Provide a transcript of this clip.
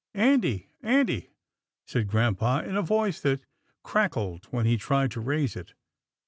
"Andy, Andy," said grampa, in a voice that cracked when he tried to raise it.